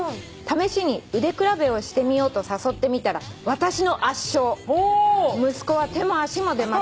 「試しに腕比べをしてみようと誘ってみたら私の圧勝」「息子は手も足も出ません。